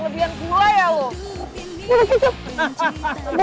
kelebihan gue ya voh